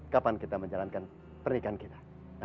kapan kita menjalankan pernikahan kita